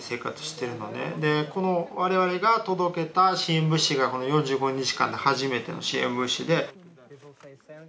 この我々が届けた支援物資がこの４５日間で初めての支援物資で。